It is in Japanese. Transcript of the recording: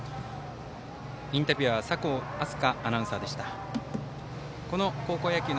インタビュアーは酒匂飛翔アナウンサーでした。